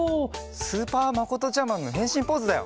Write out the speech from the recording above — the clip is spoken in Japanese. スーパーまことちゃマンのへんしんポーズだよ！